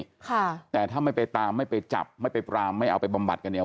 ค่ะแต่ถ้าไม่ไปตามไม่ไปจับไม่ไปปรามไม่เอาไปบำบัดกันเนี่ย